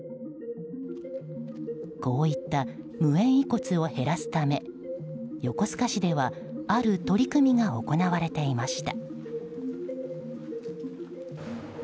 こういった無縁遺骨を減らすため横須賀市ではある取り組みが行われていました。